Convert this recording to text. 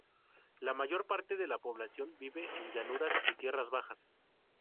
La mayor parte de la población vive en llanuras y tierras bajas.